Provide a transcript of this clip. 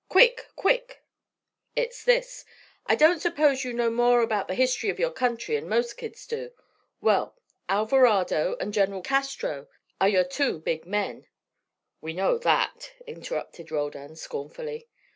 "Quick! quick!" "It's this. I don't suppose you know more about the history of your country 'n most kids do. Well, Alvarado and General Castro are your two big men " "We know that," interrupted Roldan, scornfully.